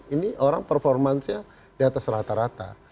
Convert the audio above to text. ini orang performancenya di atas rata rata